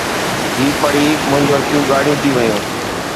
هي پڙهي منهنجيون اکيون ڳاڙهيون ٿي ويون.